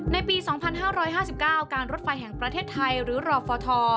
ในปี๒๕๕๙การรถไฟแห่งประเทศไทยหรือรอฟท